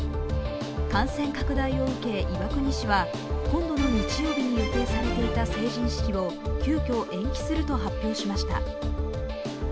感染拡大を受け岩国市は今度の日曜日に予定されていた成人式を急きょ、延期すると発表しました。